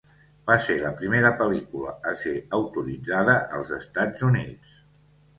Va ser la primera pel·lícula a ser autoritzada als Estats Units.